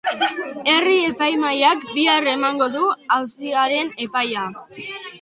Herri-epaimahaiak bihar emango du auziaren epaia.